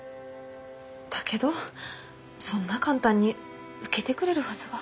だけどそんな簡単に受けてくれるはずが。